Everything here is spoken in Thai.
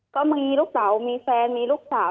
ก็มีลูกเต๋ามีแฟนมีลูกเต๋า